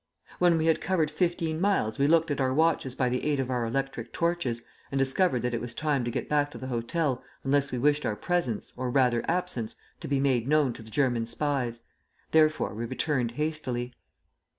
When we had covered fifteen miles we looked at our watches by the aid of our electric torches and discovered that it was time to get back to the hotel unless we wished our presence, or rather absence, to be made known to the German spies; therefore we returned hastily.